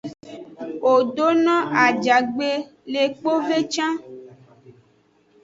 Wo do no ajagbe le kpove can.